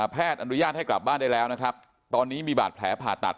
แพทย์อนุญาตให้กลับบ้านได้แล้วตอนนี้มีบาดแผลผ่าตัด